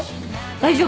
大丈夫。